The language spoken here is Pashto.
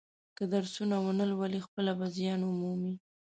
که درسونه و نه لولي خپله به زیان و مومي.